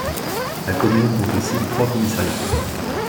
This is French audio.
La commune compte aussi trois commissariats.